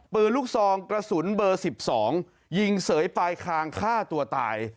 ปืนลูกซองกระสุนเบอร์๑๒ยิงเสยปลายคางฆ่าตัวตาย